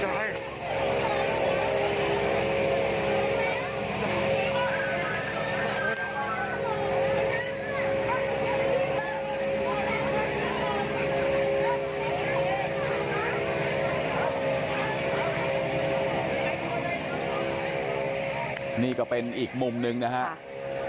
ถ้าบิดถ้าไม่เป็นอันแรกครับตอนนี้จะวิ่งออกมากกว่าอย่างน้อยค่ะ